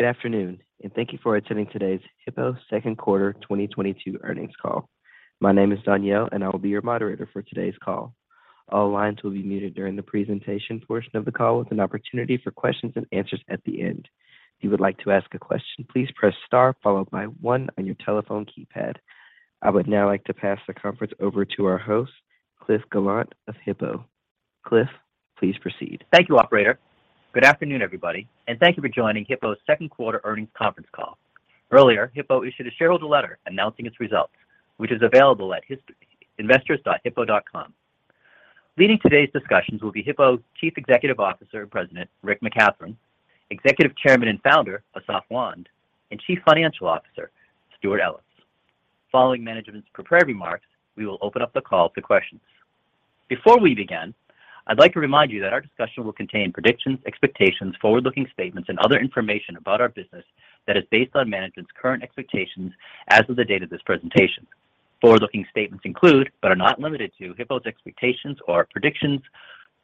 Good afternoon, and thank you for attending today's Hippo second quarter 2022 earnings call. My name is Danielle, and I will be your moderator for today's call. All lines will be muted during the presentation portion of the call with an opportunity for questions and answers at the end. If you would like to ask a question, please press star followed by one on your telephone keypad. I would now like to pass the conference over to our host, Cliff Gallant of Hippo. Cliff, please proceed. Thank you operator. Good afternoon everybody, and thank you for joining Hippo's second quarter earnings conference call. Earlier, Hippo issued a shareholder letter announcing its results, which is available at investors.hippo.com. Leading today's discussions will be Hippo's Chief Executive Officer and President, Rick McCathron, Executive Chairman and Founder, Assaf Wand, and Chief Financial Officer, Stewart Ellis. Following management's prepared remarks, we will open up the call to questions. Before we begin, I'd like to remind you that our discussion will contain predictions, expectations, forward-looking statements, and other information about our business that is based on management's current expectations as of the date of this presentation. Forward-looking statements include, but are not limited to, Hippo's expectations or predictions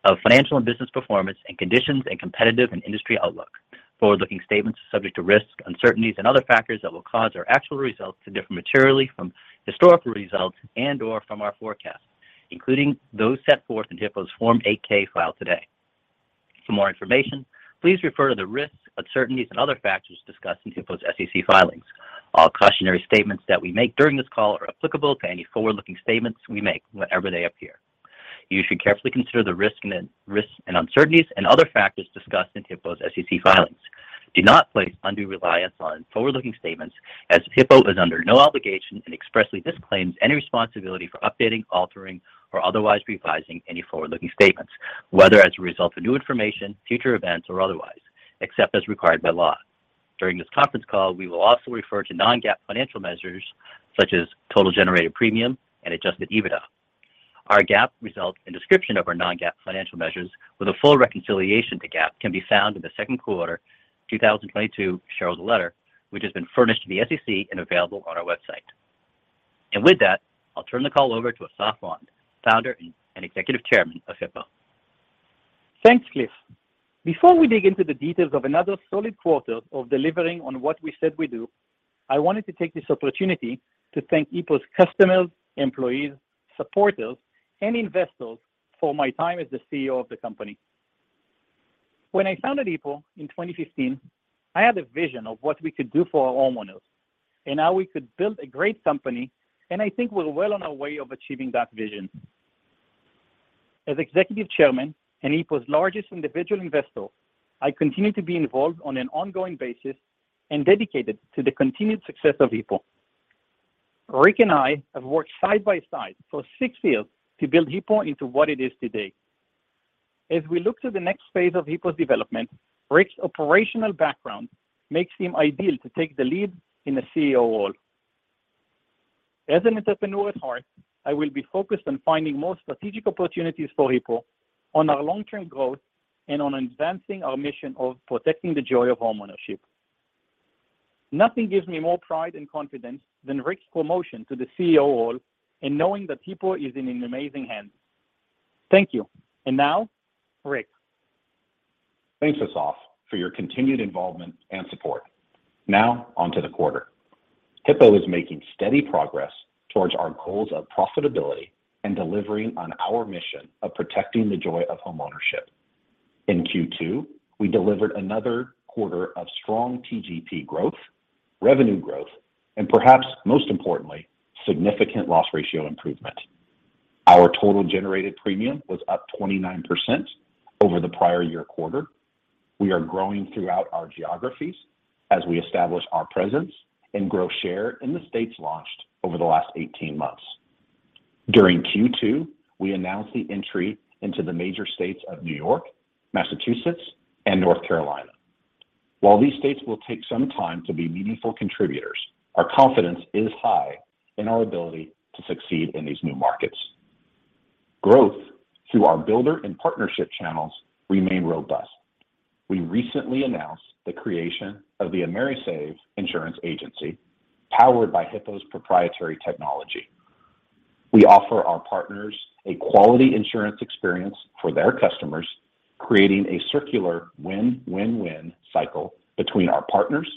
of financial and business performance and conditions and competitive and industry outlook. Forward-looking statements are subject to risks, uncertainties, and other factors that will cause our actual results to differ materially from historical results and/or from our forecasts, including those set forth in Hippo's Form 8-K filed today. For more information, please refer to the risks, uncertainties, and other factors discussed in Hippo's SEC filings. All cautionary statements that we make during this call are applicable to any forward-looking statements we make whenever they appear. You should carefully consider the risks and uncertainties and other factors discussed in Hippo's SEC filings. Do not place undue reliance on forward-looking statements as Hippo is under no obligation and expressly disclaims any responsibility for updating, altering, or otherwise revising any forward-looking statements, whether as a result of new information, future events, or otherwise, except as required by law. During this conference call, we will also refer to non-GAAP financial measures such as total generated premium and adjusted EBITDA. Our GAAP results and description of our non-GAAP financial measures with a full reconciliation to GAAP can be found in the second quarter 2022 shareholder letter, which has been furnished to the SEC and available on our website. With that, I'll turn the call over to Assaf Wand, founder and Executive Chairman of Hippo. Thanks Cliff. Before we dig into the details of another solid quarter of delivering on what we said we do, I wanted to take this opportunity to thank Hippo's customers, employees, supporters, and investors for my time as the CEO of the company. When I founded Hippo in 2015, I had a vision of what we could do for our homeowners and how we could build a great company, and I think we're well on our way of achieving that vision. As Executive Chairman and Hippo's largest individual investor, I continue to be involved on an ongoing basis and dedicated to the continued success of Hippo. Rick and I have worked side by side for six years to build Hippo into what it is today. As we look to the next phase of Hippo's development, Rick's operational background makes him ideal to take the lead in the CEO role. As an entrepreneur at heart, I will be focused on finding more strategic opportunities for Hippo on our long-term growth and on advancing our mission of protecting the joy of homeownership. Nothing gives me more pride and confidence than Rick's promotion to the CEO role and knowing that Hippo is in amazing hands. Thank you. Now Rick. Thanks Assaf, for your continued involvement and support. Now on to the quarter. Hippo is making steady progress towards our goals of profitability and delivering on our mission of protecting the joy of homeownership. In Q2, we delivered another quarter of strong TGP growth, revenue growth, and perhaps most importantly, significant loss ratio improvement. Our total generated premium was up 29% over the prior year quarter. We are growing throughout our geographies as we establish our presence and grow share in the states launched over the last 18 months. During Q2, we announced the entry into the major states of New York, Massachusetts, and North Carolina. While these states will take some time to be meaningful contributors, our confidence is high in our ability to succeed in these new markets. Growth through our builder and partnership channels remain robust. We recently announced the creation of the AmeriSave Insurance Agency, powered by Hippo's proprietary technology. We offer our partners a quality insurance experience for their customers, creating a circular win-win-win cycle between our partners,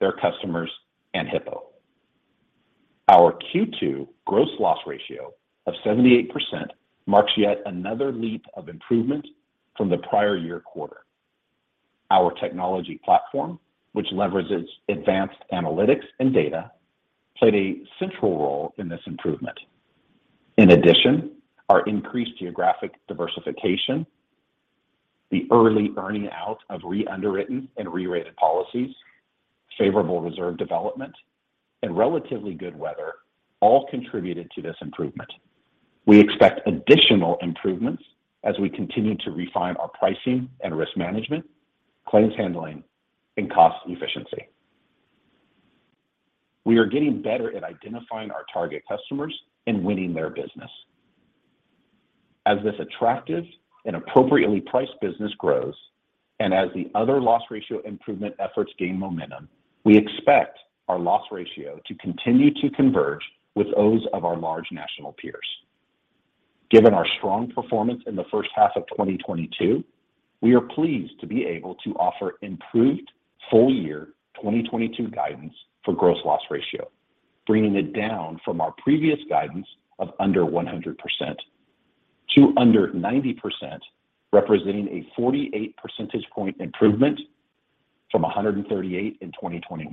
their customers, and Hippo. Our Q2 gross loss ratio of 78% marks yet another leap of improvement from the prior year quarter. Our technology platform, which leverages advanced analytics and data, played a central role in this improvement. In addition, our increased geographic diversification, the early earning out of re-underwritten and re-rated policies, favorable reserve development, and relatively good weather all contributed to this improvement. We expect additional improvements as we continue to refine our pricing and risk management, claims handling, and cost efficiency. We are getting better at identifying our target customers and winning their business. As this attractive and appropriately priced business grows, and as the other loss ratio improvement efforts gain momentum, we expect our loss ratio to continue to converge with those of our large national peers. Given our strong performance in the first half of 2022, we are pleased to be able to offer improved full year 2022 guidance for gross loss ratio, bringing it down from our previous guidance of under 100% to under 90%, representing a 48 percentage point improvement from 138 in 2021.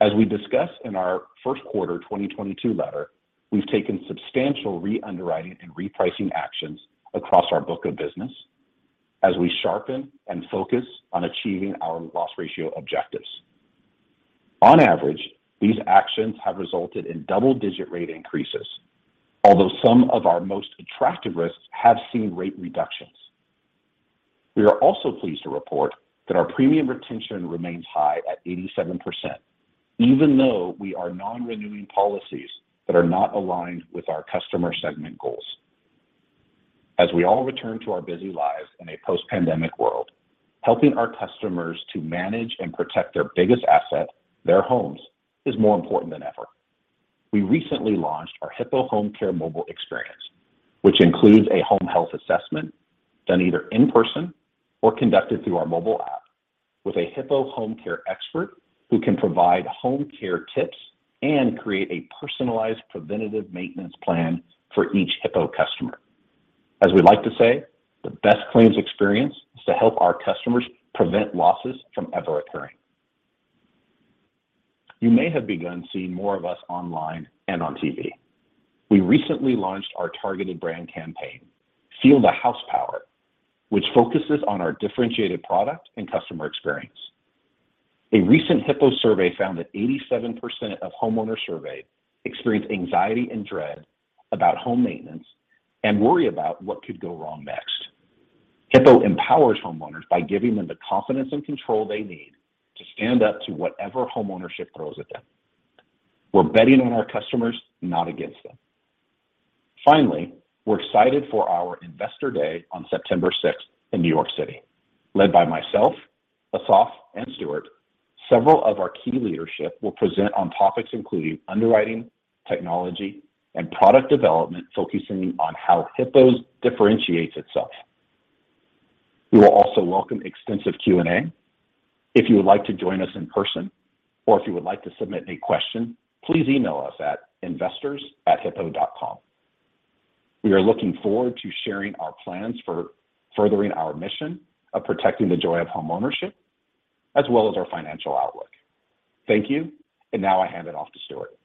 As we discussed in our first quarter 2022 letter, we've taken substantial re-underwriting and repricing actions across our book of business as we sharpen and focus on achieving our loss ratio objectives. On average, these actions have resulted in double-digit rate increases, although some of our most attractive risks have seen rate reductions. We are also pleased to report that our premium retention remains high at 87%, even though we are non-renewing policies that are not aligned with our customer segment goals. As we all return to our busy lives in a post-pandemic world, helping our customers to manage and protect their biggest asset, their homes, is more important than ever. We recently launched our Hippo Home Care mobile experience, which includes a home health assessment done either in person or conducted through our mobile app with a Hippo home care expert who can provide home care tips and create a personalized preventative maintenance plan for each Hippo customer. As we like to say, the best claims experience is to help our customers prevent losses from ever occurring. You may have begun seeing more of us online and on TV. We recently launched our targeted brand campaign, Feel the House Power, which focuses on our differentiated product and customer experience. A recent Hippo survey found that 87% of homeowners surveyed experience anxiety and dread about home maintenance and worry about what could go wrong next. Hippo empowers homeowners by giving them the confidence and control they need to stand up to whatever home ownership throws at them. We're betting on our customers, not against them. Finally, we're excited for our Investor Day on September sixth in New York City. Led by myself, Assaf, and Stewart, several of our key leadership will present on topics including underwriting, technology, and product development, focusing on how Hippo differentiates itself. We will also welcome extensive Q&A. If you would like to join us in person or if you would like to submit a question, please email us at investors@hippo.com. We are looking forward to sharing our plans for furthering our mission of protecting the joy of home ownership as well as our financial outlook. Thank you, and now I hand it off to Stewart.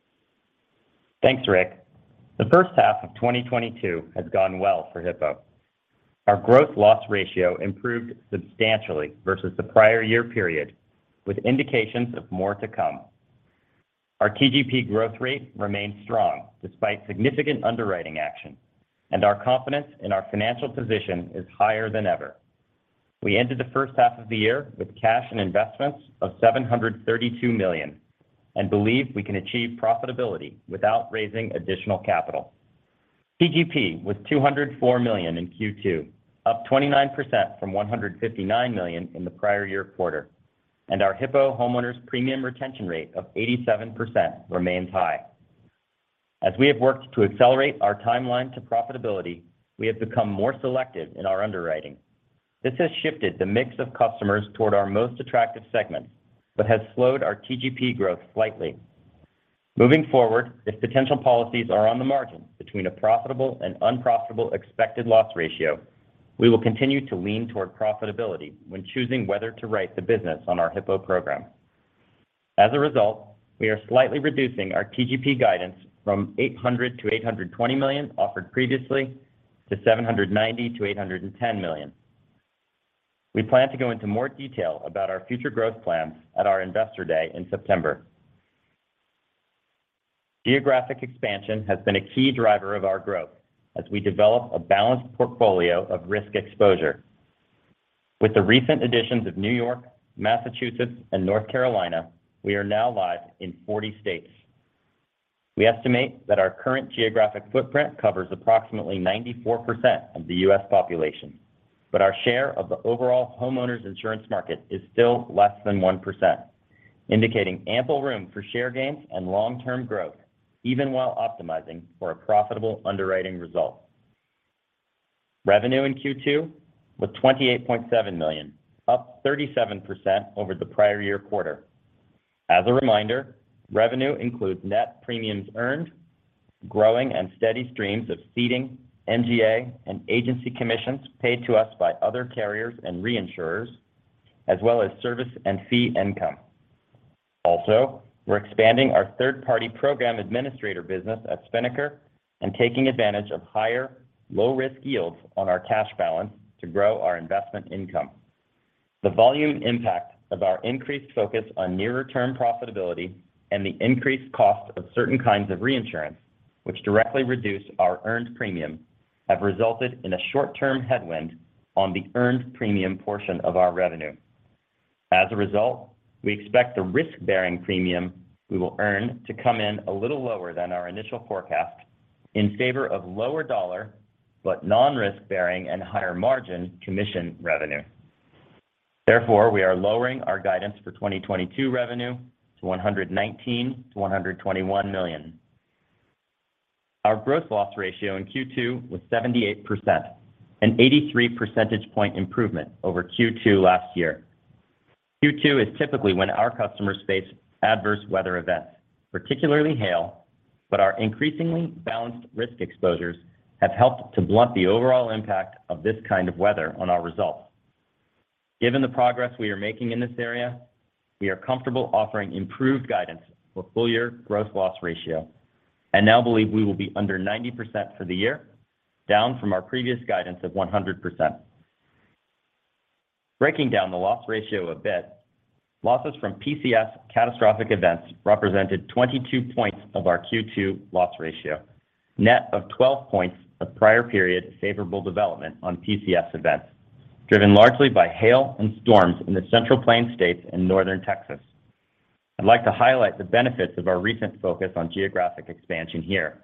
Thanks Rick. The first half of 2022 has gone well for Hippo. Our growth loss ratio improved substantially versus the prior year period, with indications of more to come. Our TGP growth rate remains strong despite significant underwriting action, and our confidence in our financial position is higher than ever. We ended the first half of the year with cash and investments of $732 million and believe we can achieve profitability without raising additional capital. TGP was $204 million in Q2, up 29% from $159 million in the prior year quarter, and our Hippo Homeowners premium retention rate of 87% remains high. As we have worked to accelerate our timeline to profitability, we have become more selective in our underwriting. This has shifted the mix of customers toward our most attractive segment but has slowed our TGP growth slightly. Moving forward, if potential policies are on the margin between a profitable and unprofitable expected loss ratio, we will continue to lean toward profitability when choosing whether to write the business on our Hippo program. As a result, we are slightly reducing our TGP guidance from $800 million-$820 million offered previously to $790 million-$810 million. We plan to go into more detail about our future growth plans at our Investor Day in September. Geographic expansion has been a key driver of our growth as we develop a balanced portfolio of risk exposure. With the recent additions of New York, Massachusetts, and North Carolina, we are now live in 40 states. We estimate that our current geographic footprint covers approximately 94% of the U.S. population, but our share of the overall homeowners insurance market is still less than 1%, indicating ample room for share gains and long-term growth even while optimizing for a profitable underwriting result. Revenue in Q2 was $28.7 million, up 37% over the prior year quarter. As a reminder, revenue includes net premiums earned, growing and steady streams of ceding, MGA, and agency commissions paid to us by other carriers and reinsurers, as well as service and fee income. Also, we're expanding our third-party program administrator business at Spinnaker and taking advantage of higher low-risk yields on our cash balance to grow our investment income. The volume impact of our increased focus on near-term profitability and the increased cost of certain kinds of reinsurance, which directly reduced our earned premium, have resulted in a short-term headwind on the earned premium portion of our revenue. As a result, we expect the risk-bearing premium we will earn to come in a little lower than our initial forecast in favor of lower dollar but non-risk-bearing and higher margin commission revenue. Therefore, we are lowering our guidance for 2022 revenue to $119 million-$121 million. Our gross loss ratio in Q2 was 78%, an 83 percentage point improvement over Q2 last year. Q2 is typically when our customers face adverse weather events, particularly hail, but our increasingly balanced risk exposures have helped to blunt the overall impact of this kind of weather on our results. Given the progress we are making in this area, we are comfortable offering improved guidance for full-year gross loss ratio and now believe we will be under 90% for the year, down from our previous guidance of 100%. Breaking down the loss ratio a bit, losses from PCS catastrophic events represented 22 points of our Q2 loss ratio, net of 12 points of prior period favorable development on PCS events, driven largely by hail and storms in the Central Plains states and Northern Texas. I'd like to highlight the benefits of our recent focus on geographic expansion here.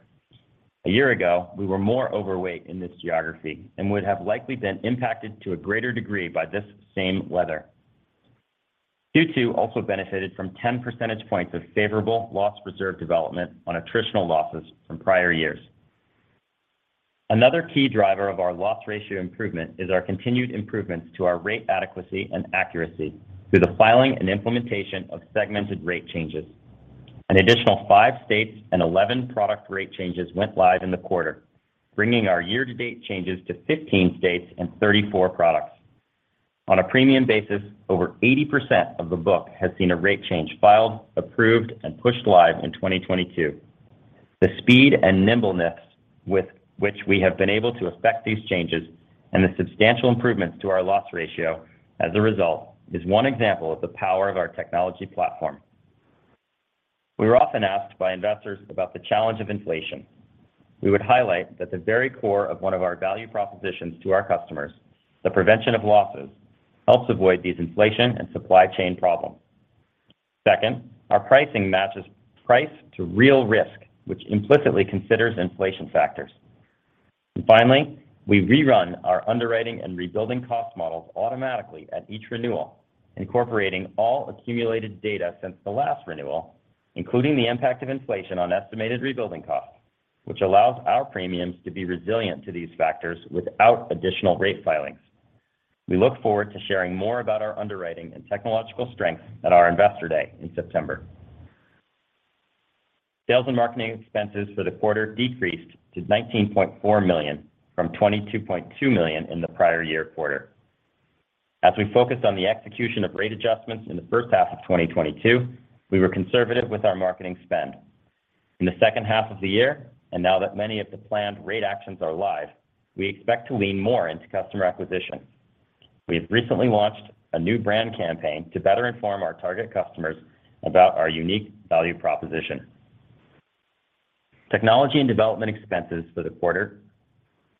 A year ago, we were more overweight in this geography and would have likely been impacted to a greater degree by this same weather. Q2 also benefited from 10 percentage points of favorable loss reserve development on attritional losses from prior years. Another key driver of our loss ratio improvement is our continued improvements to our rate adequacy and accuracy through the filing and implementation of segmented rate changes. An additional five states and 11 product rate changes went live in the quarter, bringing our year-to-date changes to 15 states and 34 products. On a premium basis, over 80% of the book has seen a rate change filed, approved, and pushed live in 2022. The speed and nimbleness with which we have been able to effect these changes and the substantial improvements to our loss ratio as a result is one example of the power of our technology platform. We are often asked by investors about the challenge of inflation. We would highlight that the very core of one of our value propositions to our customers, the prevention of losses, helps avoid these inflation and supply chain problems. Second, our pricing matches price to real risk, which implicitly considers inflation factors. Finally, we rerun our underwriting and rebuilding cost models automatically at each renewal, incorporating all accumulated data since the last renewal, including the impact of inflation on estimated rebuilding costs, which allows our premiums to be resilient to these factors without additional rate filings. We look forward to sharing more about our underwriting and technological strengths at our Investor Day in September. Sales and marketing expenses for the quarter decreased to $19.4 million from $22.2 million in the prior year quarter. As we focused on the execution of rate adjustments in the first half of 2022, we were conservative with our marketing spend. In the second half of the year, and now that many of the planned rate actions are live, we expect to lean more into customer acquisition. We have recently launched a new brand campaign to better inform our target customers about our unique value proposition. Technology and development expenses for the quarter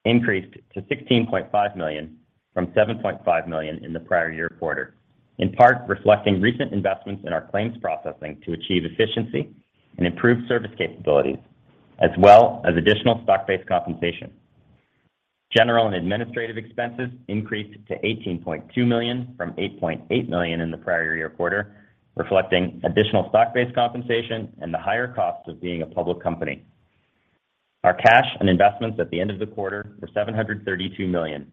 increased to $16.5 million from $7.5 million in the prior year quarter, in part reflecting recent investments in our claims processing to achieve efficiency and improve service capabilities, as well as additional stock-based compensation. General and administrative expenses increased to $18.2 million from $8.8 million in the prior year quarter, reflecting additional stock-based compensation and the higher cost of being a public company. Our cash and investments at the end of the quarter were $732 million.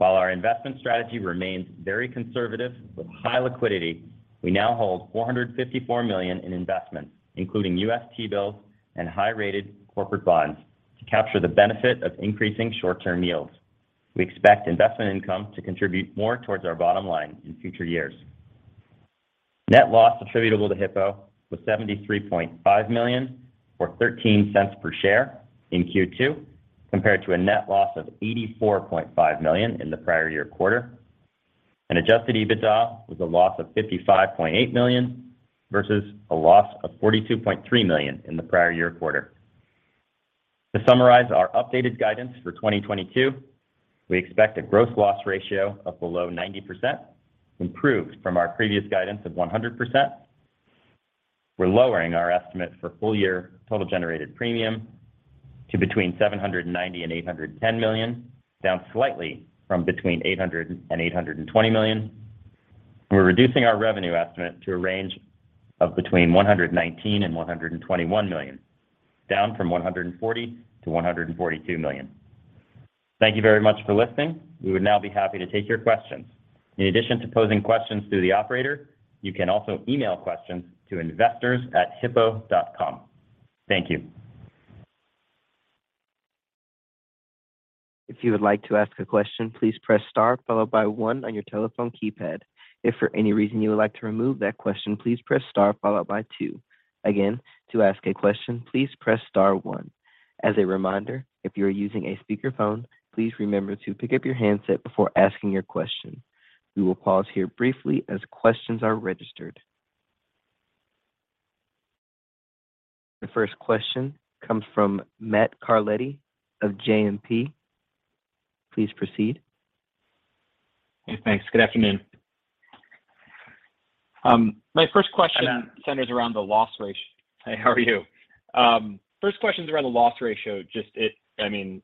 While our investment strategy remains very conservative with high liquidity, we now hold $454 million in investments, including U.S. T-bills and high-rated corporate bonds to capture the benefit of increasing short-term yields. We expect investment income to contribute more towards our bottom line in future years. Net loss attributable to Hippo was $73.5 million or $0.13 per share in Q2, compared to a net loss of $84.5 million in the prior year quarter. Adjusted EBITDA was a loss of $55.8 million versus a loss of $42.3 million in the prior year quarter. To summarize our updated guidance for 2022, we expect a gross loss ratio of below 90%, improved from our previous guidance of 100%. We're lowering our estimate for full-year total generated premium to between $790 million and $810 million, down slightly from between $800 million and $820 million. We're reducing our revenue estimate to a range of between $119 million and $121 million, down from $140 million to $142 million. Thank you very much for listening. We would now be happy to take your questions. In addition to posing questions through the operator, you can also email questions to investors@Hippo.com. Thank you. If you would like to ask a question, please press star followed by one on your telephone keypad. If for any reason you would like to remove that question, please press star followed by two. Again, to ask a question, please press star one. As a reminder, if you are using a speakerphone, please remember to pick up your handset before asking your question. We will pause here briefly as questions are registered. The first question comes from Matt Carletti of JMP. Please proceed. Thanks. Good afternoon. My first question centers around the loss ratio. Hey, how are you? First question's around the loss ratio. Just it—I mean,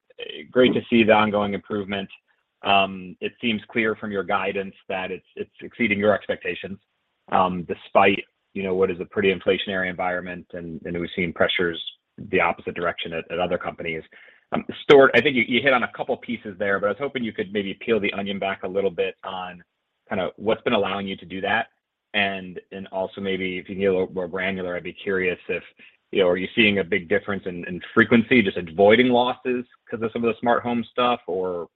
great to see the ongoing improvement. It seems clear from your guidance that it's exceeding your expectations, despite you know what is a pretty inflationary environment, and we've seen pressures the opposite direction at other companies. Stewart, I think you hit on a couple pieces there, but I was hoping you could maybe peel the onion back a little bit on kinda what's been allowing you to do that, and also maybe if you can get a little more granular, I'd be curious if, you know, are you seeing a big difference in frequency, just avoiding losses 'cause of some of the smart home stuff, or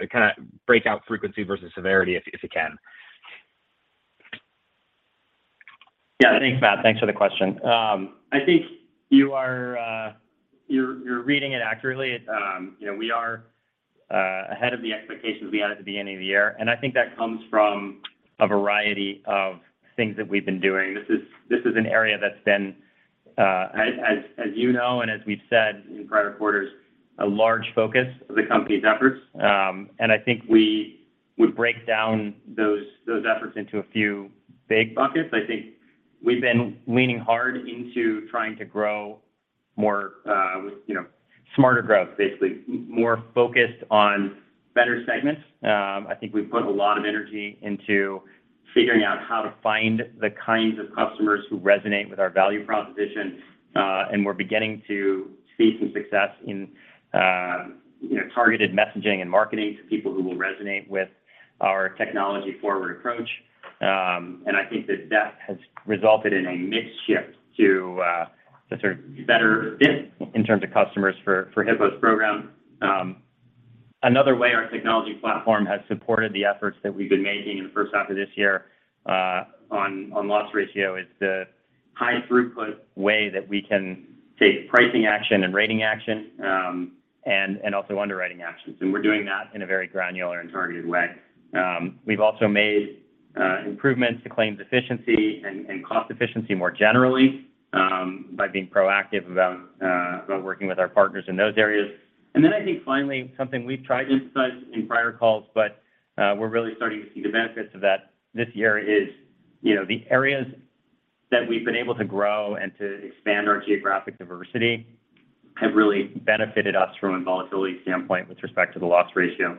kinda break out frequency versus severity if you can. Yeah. Thanks Matt. Thanks for the question. I think you are reading it accurately. You know, we are ahead of the expectations we had at the beginning of the year, and I think that comes from a variety of things that we've been doing. This is an area that's been as you know and as we've said in prior quarters, a large focus of the company's efforts. I think we would break down those efforts into a few big buckets. I think we've been leaning hard into trying to grow more with you know, smarter growth, basically. More focused on better segments. I think we've put a lot of energy into figuring out how to find the kinds of customers who resonate with our value proposition. We're beginning to see some success in, you know, targeted messaging and marketing to people who will resonate with our technology-forward approach. I think that has resulted in a mindset shift to a sort of better fit in terms of customers for Hippo's program. Another way our technology platform has supported the efforts that we've been making in the first half of this year, on loss ratio is the high throughput way that we can take pricing action and rating action, and also underwriting actions. We're doing that in a very granular and targeted way. We've also made improvements to claims efficiency and cost efficiency more generally, by being proactive about working with our partners in those areas. I think finally, something we've tried to emphasize in prior calls, but we're really starting to see the benefits of that this year is, you know, the areas that we've been able to grow and to expand our geographic diversity have really benefited us from a volatility standpoint with respect to the loss ratio.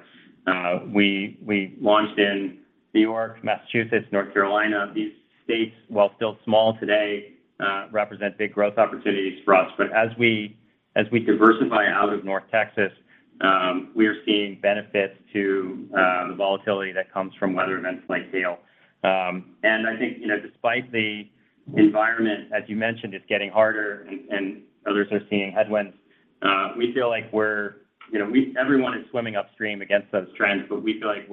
We launched in New York, Massachusetts, North Carolina. These states, while still small today, represent big growth opportunities for us. As we diversify out of North Texas, we are seeing benefits to the volatility that comes from weather events like hail. I think, you know, despite the environment, as you mentioned, it's getting harder and others are seeing headwinds, we feel like we're. You know, everyone is swimming upstream against those trends, but we feel like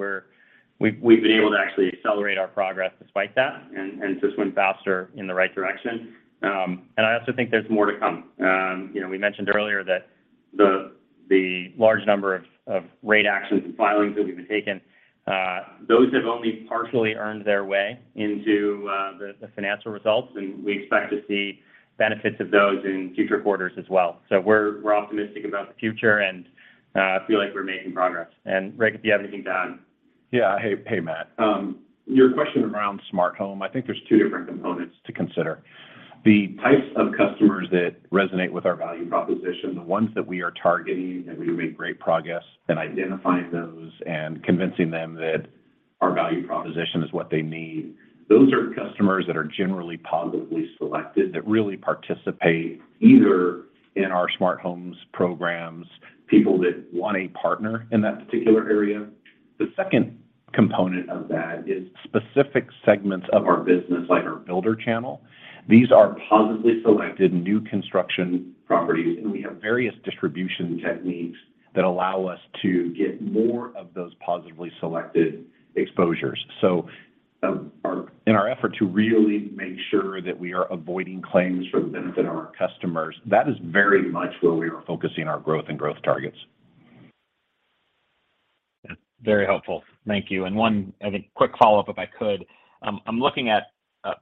we've been able to actually accelerate our progress despite that and swim faster in the right direction. I also think there's more to come. You know, we mentioned earlier that the large number of rate actions and filings that we've been taking, those have only partially earned their way into the financial results, and we expect to see benefits of those in future quarters as well. We're optimistic about the future and feel like we're making progress. Rick, if you have anything to add. Yeah. Hey Matt. Your question around smart home, I think there's two different components to consider. The types of customers that resonate with our value proposition, the ones that we are targeting, and we've made great progress in identifying those and convincing them that our value proposition is what they need. Those are customers that are generally positively selected, that really participate either in our smart homes programs, people that want a partner in that particular area. The second component of that is specific segments of our business, like our builder channel. These are positively selected new construction properties, and we have various distribution techniques that allow us to get more of those positively selected exposures. In our effort to really make sure that we are avoiding claims from things that aren't customers, that is very much where we are focusing our growth and growth targets. Yeah. Very helpful. Thank you and one I think, quick follow-up if I could. I'm looking at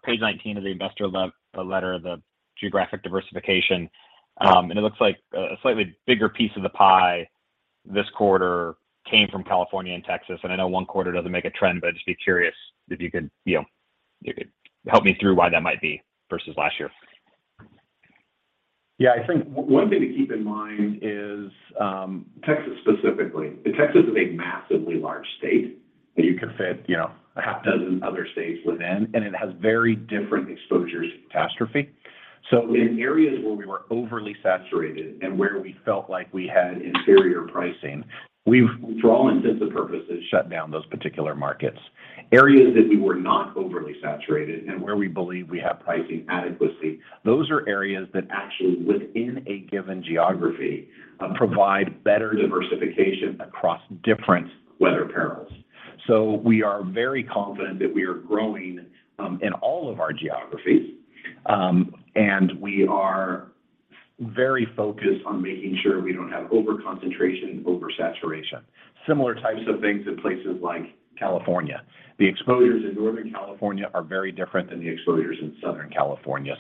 page 19 of the shareholder letter, the geographic diversification. It looks like a slightly bigger piece of the pie this quarter came from California and Texas. I know one quarter doesn't make a trend, but I'd just be curious if you could, you know, if you could help me through why that might be versus last year. Yeah. I think one thing to keep in mind is, Texas specifically. Texas is a massively large state that you could fit, you know, a half dozen other states within, and it has very different exposures to catastrophe. In areas where we were overly saturated and where we felt like we had inferior pricing, we've, for all intents and purposes, shut down those particular markets. Areas that we were not overly saturated and where we believe we have pricing adequacy, those are areas that actually within a given geography, provide better diversification across different weather perils. We are very confident that we are growing, in all of our geographies, and we are very focused on making sure we don't have over-concentration, over-saturation. Similar types of things in places like California. The exposures in Northern California are very different than the exposures in Southern California.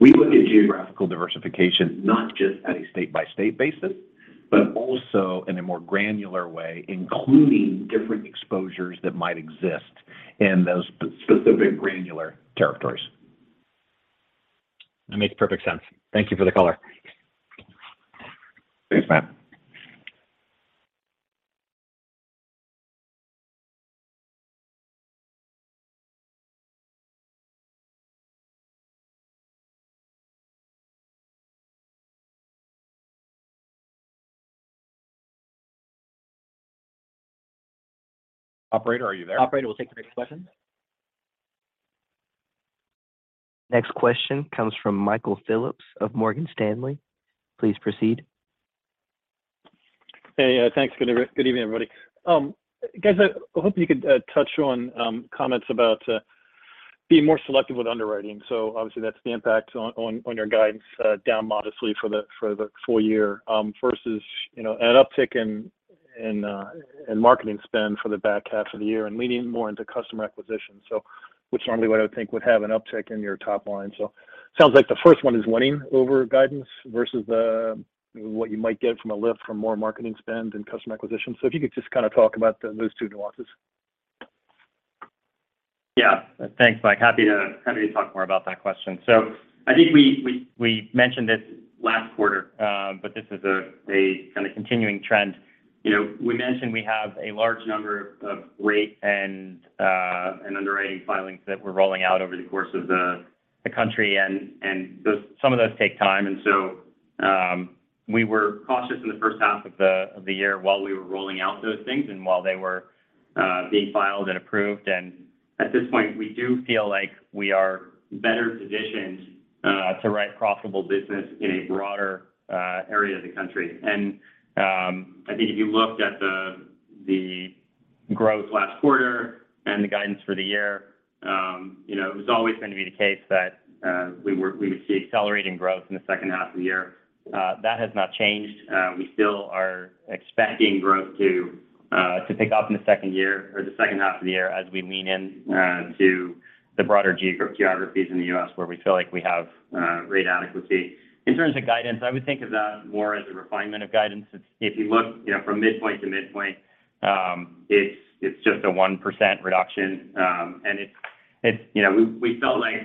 We look at geographical diversification not just at a state-by-state basis, but also in a more granular way, including different exposures that might exist in those specific granular territories. That makes perfect sense. Thank you for the color. Thanks Matt. Operator, are you there? Operator, we'll take the next question. Next question comes from Michael Phillips of Morgan Stanley. Please proceed. Hey thanks. Good evening everybody. Guys, I hope you could touch on comments about being more selective with underwriting. Obviously that's the impact on your guidance, down modestly for the full year, versus, you know, an uptick in marketing spend for the back half of the year and leaning more into customer acquisition. Which normally what I would think would have an uptick in your top line. Sounds like the first one is winning over guidance versus what you might get from a lift from more marketing spend and customer acquisition. If you could just kind of talk about those two nuances. Yeah. Thanks Mike. Happy to talk more about that question. I think we mentioned this last quarter, but this is a kind of continuing trend. You know, we mentioned we have a large number of rate and underwriting filings that we're rolling out over the course of the country and those, some of those take time. We were cautious in the first half of the year while we were rolling out those things and while they were being filed and approved. At this point, we do feel like we are better positioned to write profitable business in a broader area of the country. I think if you looked at the growth last quarter and the guidance for the year, you know, it was always going to be the case that we would see accelerating growth in the second half of the year. That has not changed. We still are expecting growth to pick up in the second year or the second half of the year as we lean in to the broader geographies in the U.S. where we feel like we have rate adequacy. In terms of guidance, I would think of that more as a refinement of guidance. If you look, you know, from midpoint to midpoint, it's just a 1% reduction. It's, you know, we felt like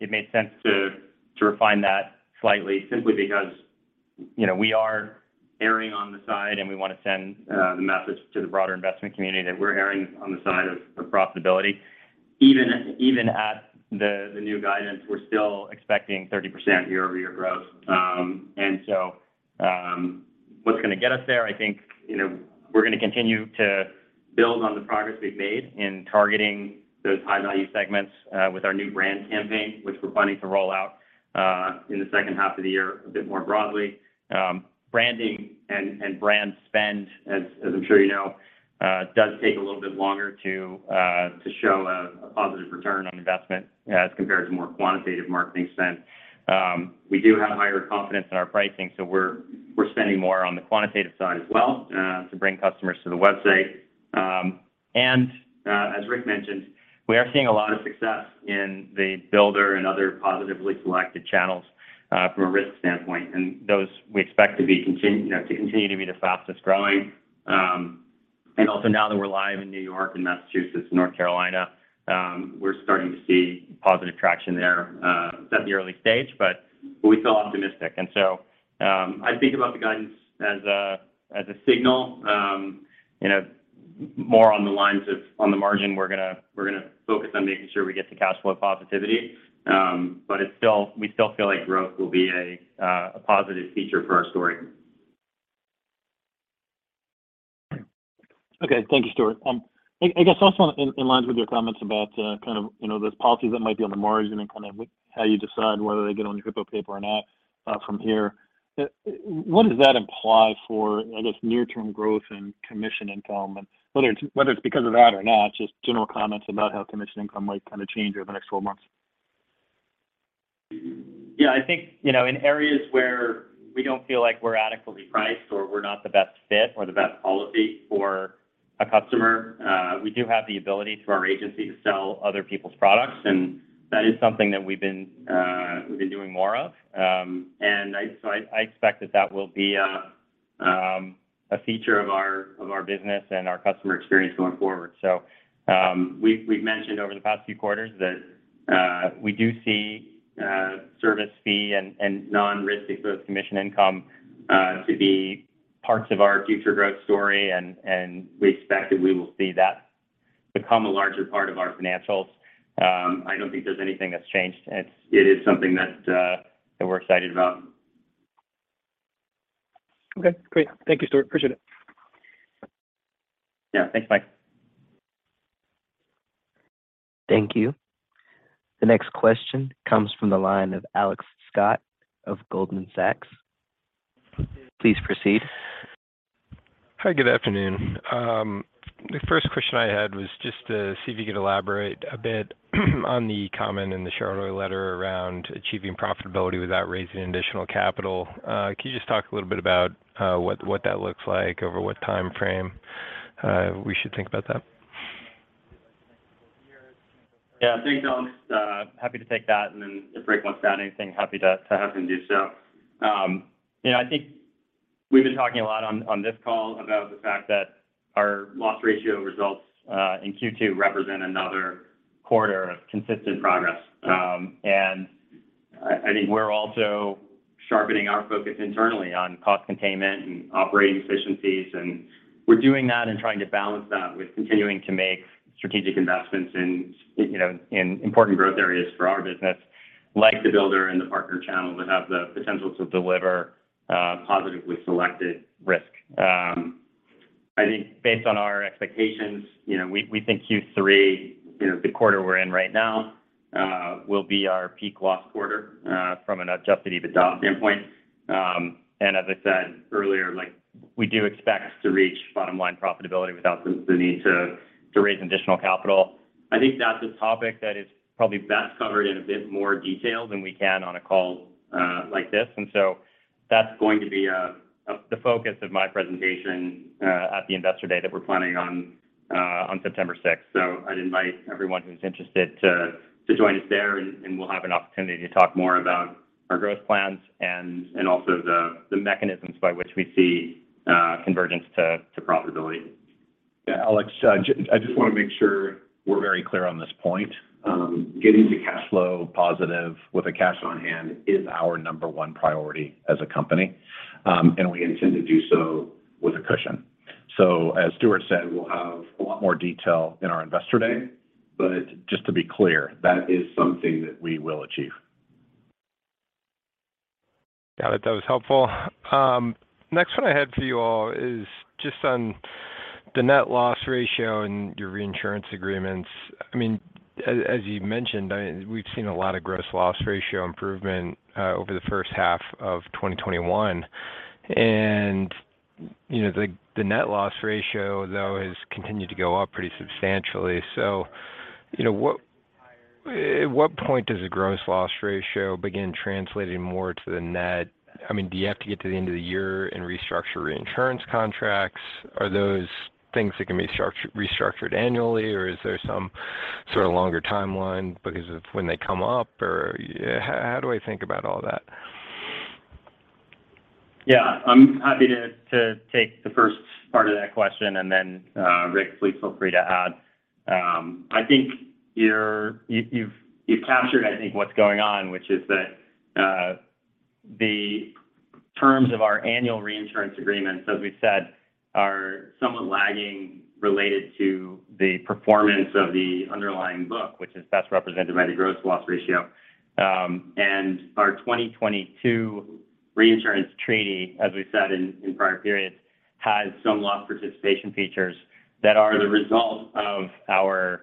it made sense to refine that slightly simply because, you know, we are erring on the side, and we want to send the message to the broader investment community that we're erring on the side of profitability. Even at the new guidance, we're still expecting 30% year-over-year growth. What's gonna get us there, I think, you know, we're gonna continue to build on the progress we've made in targeting those high value segments with our new brand campaign, which we're planning to roll out in the second half of the year a bit more broadly. Branding and brand spend, as I'm sure you know, does take a little bit longer to show a positive return on investment as compared to more quantitative marketing spend. We do have higher confidence in our pricing, so we're spending more on the quantitative side as well, to bring customers to the website. As Rick mentioned, we are seeing a lot of success in the builder and other positively selected channels, from a risk standpoint. Those we expect to continue to be the fastest-growing. Also now that we're live in New York and Massachusetts, North Carolina, we're starting to see positive traction there, at the early stage, but we feel optimistic. I think about the guidance as a signal. You know, more on the lines of on the margin, we're gonna focus on making sure we get to cash flow positivity. It's still we still feel like growth will be a positive feature for our story. Okay. Thank you Stewart. I guess also in line with your comments about kind of you know those policies that might be on the margin and kind of how you decide whether they get on your Hippo paper or not from here. What does that imply for I guess near term growth and commission income? Whether it's because of that or not, just general comments about how commission income might kinda change over the next twelve months. Yeah, I think, you know, in areas where we don't feel like we're adequately priced or we're not the best fit or the best policy for a customer, we do have the ability through our agency to sell other people's products, and that is something that we've been doing more of. I expect that that will be a feature of our business and our customer experience going forward. We've mentioned over the past few quarters that we do see service fee and non-risk exposure commission income to be parts of our future growth story, and we expect that we will see that become a larger part of our financials. I don't think there's anything that's changed. It is something that we're excited about. Okay great. Thank you Stewart appreciate it. Yeah. Thanks Mike. Thank you. The next question comes from the line of Alex Scott of Goldman Sachs. Please proceed. Hi good afternoon. The first question I had was just to see if you could elaborate a bit on the comment in the shareholder letter around achieving profitability without raising additional capital. Can you just talk a little bit about what that looks like over what time frame we should think about that? Yeah. Thanks Alex. Happy to take that. Then if Rick wants to add anything, happy to have him do so. You know, I think we've been talking a lot on this call about the fact that our loss ratio results in Q2 represent another quarter of consistent progress. I think we're also sharpening our focus internally on cost containment and operating efficiencies. We're doing that and trying to balance that with continuing to make strategic investments in you know in important growth areas for our business, like the builder and the partner channel that have the potential to deliver positively selected risk. I think based on our expectations, you know, we think Q3, you know, the quarter we're in right now, will be our peak loss quarter from an adjusted EBITDA standpoint. As I said earlier, like we do expect to reach bottom line profitability without the need to raise additional capital. I think that's a topic that is probably best covered in a bit more detail than we can on a call like this. That's going to be the focus of my presentation at the Investor Day that we're planning on September sixth. I'd invite everyone who's interested to join us there, and we'll have an opportunity to talk more about our growth plans and also the mechanisms by which we see convergence to profitability. Yeah. Alex, I just wanna make sure we're very clear on this point. Getting to cash flow positive with a cash on hand is our number one priority as a company. We intend to do so with a cushion. As Stewart said, we'll have a lot more detail in our Investor Day, but just to be clear, that is something that we will achieve. Got it. That was helpful. Next one I had for you all is just on the net loss ratio and your reinsurance agreements. I mean, as you've mentioned, I mean, we've seen a lot of gross loss ratio improvement over the first half of 2021. You know, the net loss ratio though has continued to go up pretty substantially. You know, at what point does a gross loss ratio begin translating more to the net? I mean, do you have to get to the end of the year and restructure reinsurance contracts? Are those things that can be restructured annually, or is there some sort of longer timeline because of when they come up, or how do I think about all that? Yeah. I'm happy to take the first part of that question, and then, Rick please feel free to add. I think you've captured I think what's going on, which is that, the terms of our annual reinsurance agreements, as we've said, are somewhat lagging related to the performance of the underlying book, which is best represented by the gross loss ratio. And our 2022 reinsurance treaty, as we've said in prior periods, has some loss participation features that are the result of our,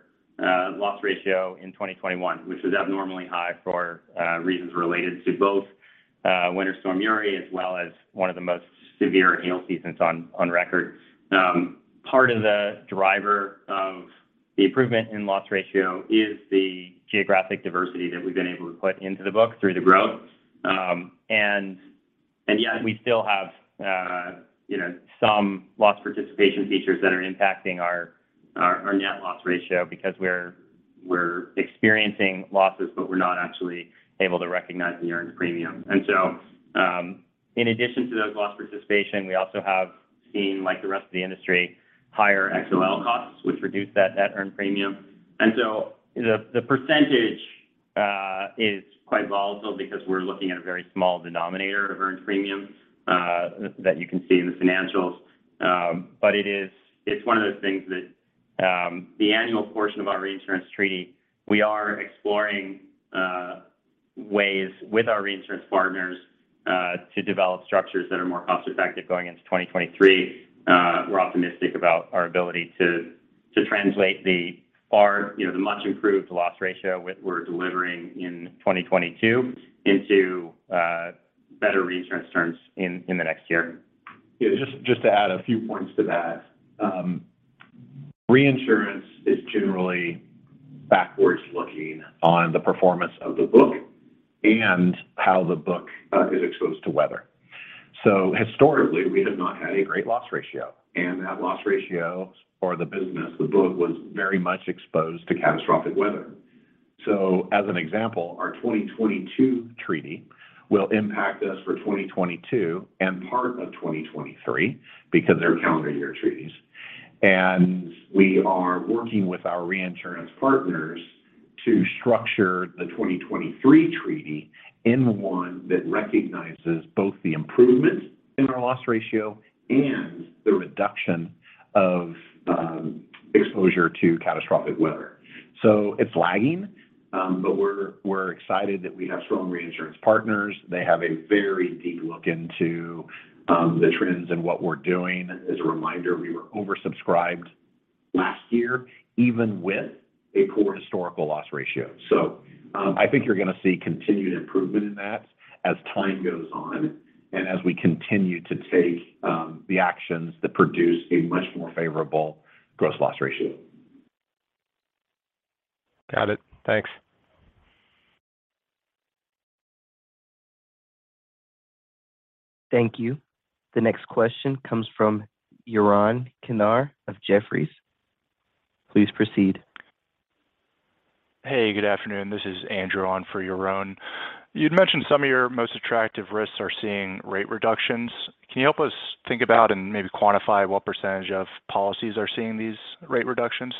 loss ratio in 2021, which was abnormally high for, reasons related to both, Winter Storm Uri as well as one of the most severe hail seasons on record. Part of the driver of the improvement in loss ratio is the geographic diversity that we've been able to put into the book through the growth. Yet we still have, you know, some loss participation features that are impacting our net loss ratio because we're experiencing losses, but we're not actually able to recognize the earned premium. In addition to those loss participation, we also have seen, like the rest of the industry, higher XOL costs, which reduce that net earned premium. The percentage is quite volatile because we're looking at a very small denominator of earned premium that you can see in the financials. It's one of those things that the annual portion of our reinsurance treaty, we are exploring ways with our reinsurance partners to develop structures that are more cost-effective going into 2023. We're optimistic about our ability to translate, you know, the much improved loss ratio we're delivering in 2022 into better reinsurance terms in the next year. Yeah. Just to add a few points to that. Reinsurance is generally backwards looking on the performance of the book and how the book is exposed to weather. Historically, we have not had a great loss ratio, and that loss ratio for the business of the book was very much exposed to catastrophic weather. As an example, our 2022 treaty will impact us for 2022 and part of 2023 because they're calendar year treaties. We are working with our reinsurance partners to structure the 2023 treaty in one that recognizes both the improvement in our loss ratio and the reduction of exposure to catastrophic weather. It's lagging, but we're excited that we have strong reinsurance partners. They have a very deep look into the trends and what we're doing. As a reminder, we were oversubscribed last year, even with a poor historical loss ratio. I think you're gonna see continued improvement in that as time goes on and as we continue to take the actions that produce a much more favorable gross loss ratio. Got it. Thanks. Thank you. The next question comes from Yaron Kinar of Jefferies. Please proceed. Hey, good afternoon. This is Andrew on for Yaron. You'd mentioned some of your most attractive risks are seeing rate reductions. Can you help us think about and maybe quantify what percentage of policies are seeing these rate reductions?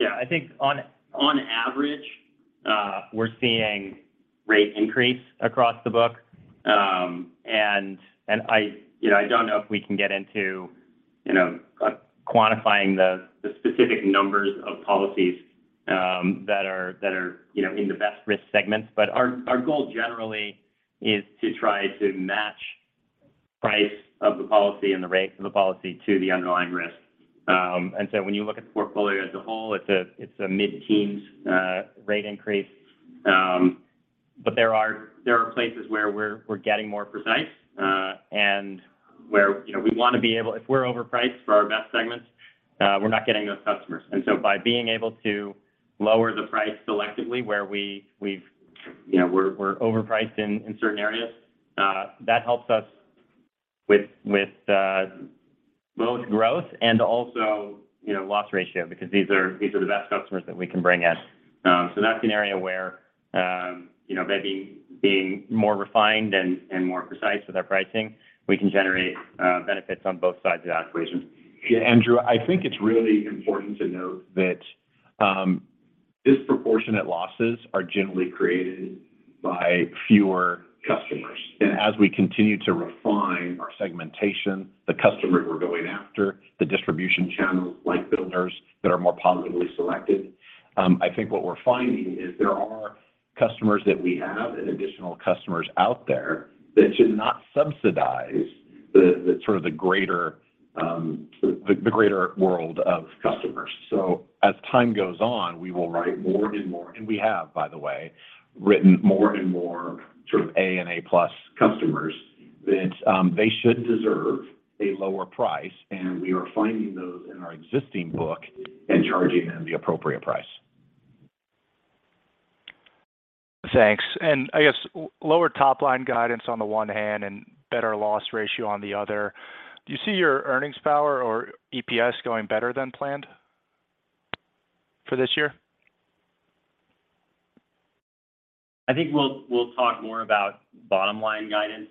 Yeah. I think on average, we're seeing rate increase across the book. I don't know if we can get into quantifying the specific numbers of policies that are in the best risk segments. Our goal generally is to try to match price of the policy and the rate of the policy to the underlying risk. When you look at the portfolio as a whole, it's a mid-teens rate increase. There are places where we're getting more precise, and where we want to be able. If we're overpriced for our best segments, we're not getting those customers. By being able to lower the price selectively where we you know we're overpriced in certain areas that helps us with both growth and also you know loss ratio because these are the best customers that we can bring in. That's an area where you know by being more refined and more precise with our pricing we can generate benefits on both sides of the operations. Yeah Andrew, I think it's really important to note that disproportionate losses are generally created by fewer customers. As we continue to refine our segmentation, the customer we're going after, the distribution channels like builders that are more positively selected, I think what we're finding is there are customers that we have and additional customers out there that should not subsidize the sort of greater world of customers. As time goes on, we will write more and more, and we have by the way, written more and more sort of A and A+ customers that they should deserve a lower price, and we are finding those in our existing book and charging them the appropriate price. Thanks. I guess lower top line guidance on the one hand and better loss ratio on the other, do you see your earnings power or EPS going better than planned for this year? I think we'll talk more about bottom line guidance,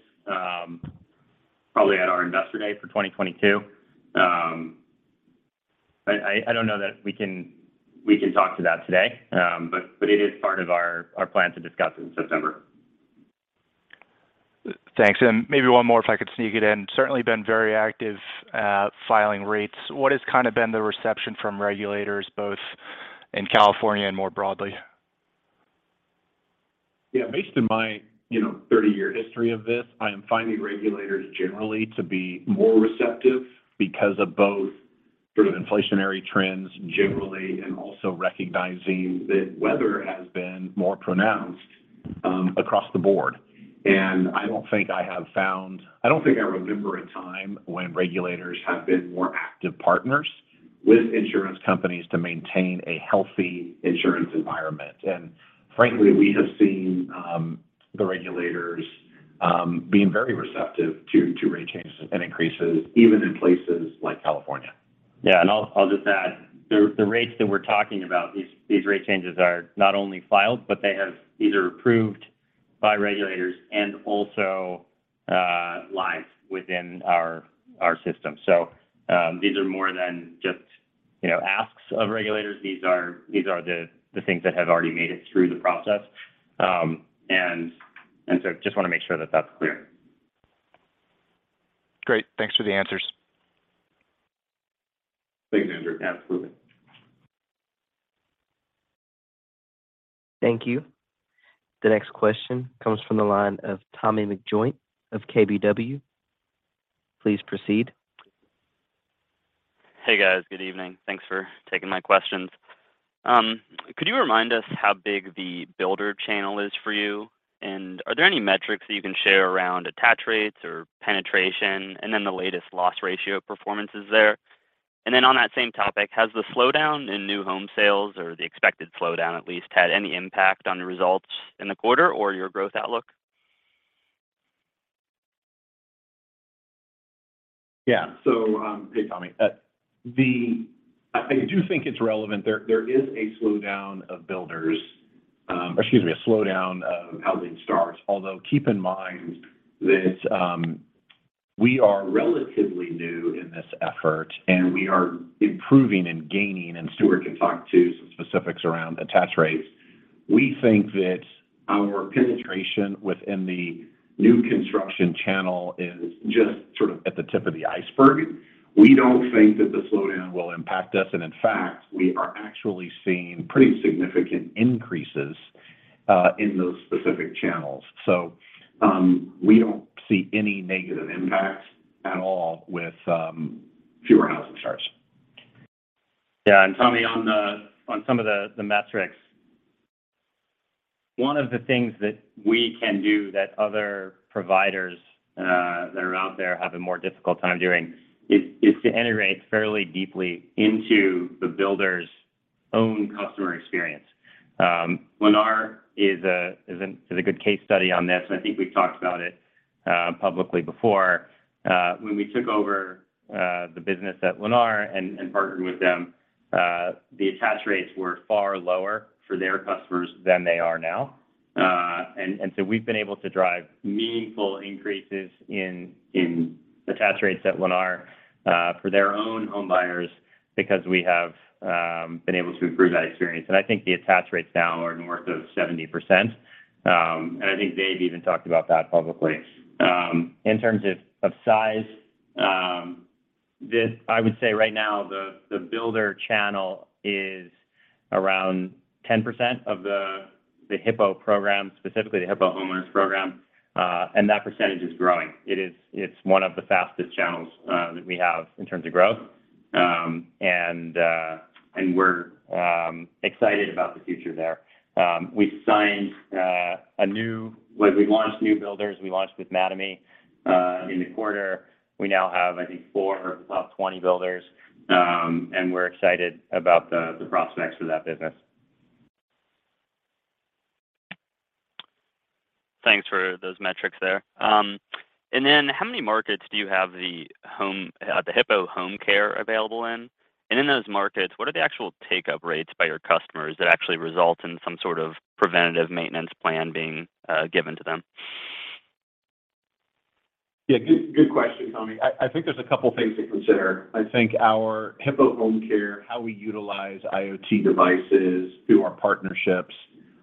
probably at our Investor Day for 2022. I don't know that we can talk to that today. It is part of our plan to discuss in September. Thanks. Maybe one more if I could sneak it in. Certainly been very active in filing rates. What has kind of been the reception from regulators both in California and more broadly? Yeah. Based on my, you know, 30-year history of this, I am finding regulators generally to be more receptive because of both sort of inflationary trends generally, and also recognizing that weather has been more pronounced across the board. I don't think I remember a time when regulators have been more active partners with insurance companies to maintain a healthy insurance environment. Frankly, we have seen the regulators being very receptive to rate changes and increases even in places like California. Yeah. I'll just add the rates that we're talking about. These rate changes are not only filed, but they have already been approved by regulators and also live within our system. These are more than just, you know, asks of regulators. These are the things that have already made it through the process. Just wanna make sure that that's clear. Great. Thanks for the answers. Thanks Andrew. Absolutely. Thank you. The next question comes from the line of Tommy McJoynt of KBW. Please proceed. Hey guys. Good evening. Thanks for taking my questions. Could you remind us how big the builder channel is for you? Are there any metrics that you can share around attach rates or penetration, and then the latest loss ratio performances there? On that same topic, has the slowdown in new home sales or the expected slowdown at least had any impact on the results in the quarter or your growth outlook? Yeah. Hey Tommy. I do think it's relevant. There is a slowdown of housing starts. Although, keep in mind that we are relatively new in this effort, and we are improving and gaining, and Stewart can talk to some specifics around attach rates. We think that our penetration within the new construction channel is just sort of at the tip of the iceberg. We don't think that the slowdown will impact us, and in fact, we are actually seeing pretty significant increases in those specific channels. We don't see any negative impact at all with fewer housing starts. Yeah. Tommy, on some of the metrics, one of the things that we can do that other providers that are out there have a more difficult time doing is to integrate fairly deeply into the builders' own customer experience. Lennar is a good case study on this, and I think we've talked about it publicly before. When we took over the business at Lennar and partnered with them, the attach rates were far lower for their customers than they are now. So we've been able to drive meaningful increases in attach rates at Lennar for their own homebuyers because we have been able to improve that experience. I think the attach rates now are north of 70%, and I think they've even talked about that publicly. In terms of size, I would say right now the builder channel is around 10% of the Hippo program, specifically the Hippo Homeowners program, and that percentage is growing. It's one of the fastest channels that we have in terms of growth. We're excited about the future there. Like, we launched new builders, we launched with Mattamy in the quarter. We now have, I think, four of the top 20 builders, and we're excited about the prospects for that business. Thanks for those metrics there. How many markets do you have the Hippo Home Care available in? In those markets, what are the actual take-up rates by your customers that actually result in some sort of preventative maintenance plan being given to them? Yeah, good question, Tony. I think there's a couple things to consider. I think our Hippo Home Care, how we utilize IoT devices through our partnerships,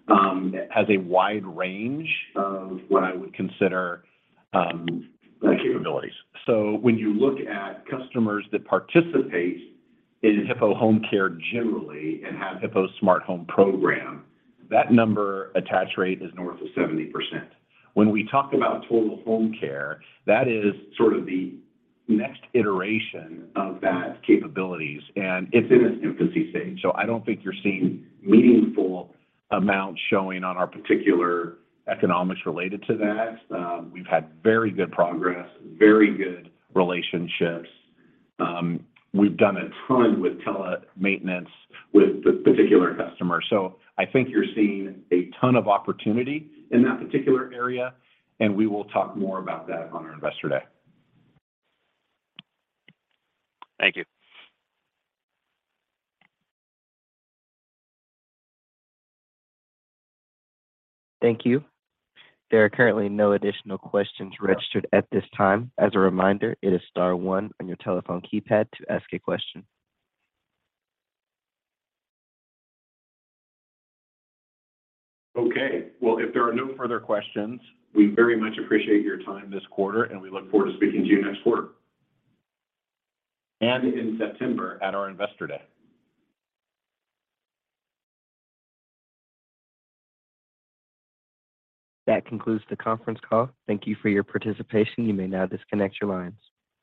has a wide range of what I would consider capabilities. When you look at customers that participate in Hippo Home Care generally and have Hippo's smart home program, that number attach rate is north of 70%. When we talk about total home care, that is sort of the next iteration of that capabilities, and it's in its infancy stage. I don't think you're seeing meaningful amounts showing on our particular economics related to that. We've had very good progress, very good relationships. We've done a ton with telemaintenance with this particular customer. I think you're seeing a ton of opportunity in that particular area, and we will talk more about that on our Investor Day. Thank you. Thank you. There are currently no additional questions registered at this time. As a reminder, it is star one on your telephone keypad to ask a question. Okay. Well, if there are no further questions, we very much appreciate your time this quarter, and we look forward to speaking to you next quarter. In September at our Investor Day. That concludes the conference call. Thank you for your participation. You may now disconnect your lines.